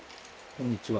こんにちは。